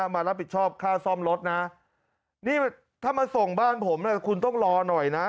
มารับผิดชอบค่าซ่อมรถนะนี่ถ้ามาส่งบ้านผมคุณต้องรอหน่อยนะ